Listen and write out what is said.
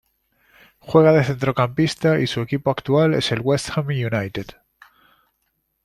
Juega de centrocampista y su equipo actual es el West Ham United.